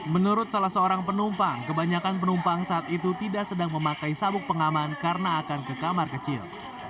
menurut salah seorang penumpang kebanyakan penumpang saat itu tidak sedang memakai sabuk pengaman karena akan ke kamar kecil